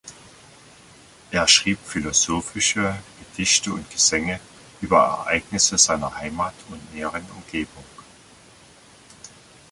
Er schrieb philosophische Gedichte und Gesänge über Ereignisse seiner Heimat und näheren Umgebung.